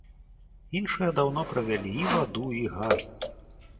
Іншыя даўно правялі і ваду, і газ.